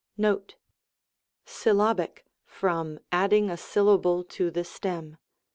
* Syllabic, from adding a syllable to the stem.